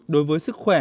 đối với sức khỏe